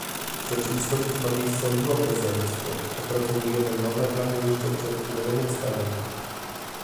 W rzeczywistości ma miejsce odwrotne zjawisko - opracowujemy nowe plany jeszcze przed wdrożeniem starych